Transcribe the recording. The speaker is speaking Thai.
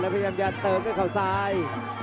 แล้วพยายามอย่าเติบด้วยข้าวซ้าย